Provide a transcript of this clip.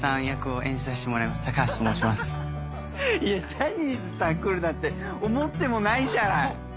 ジャニーズさん来るなんて思ってもないじゃない。